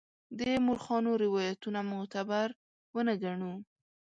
د مورخانو روایتونه معتبر ونه ګڼو.